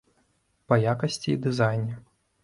Па якасці і дызайне.